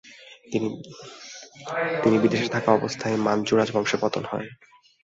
তিনি বিদেশে থাকা অবস্থায় মানচু রাজবংশের পতন হয়।